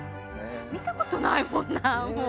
見たことないもんなもう。